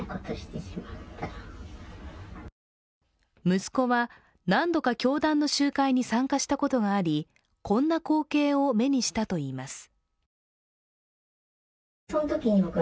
息子は、何度か教団の集会に参加したことがありこんな光景を目にしたといいます。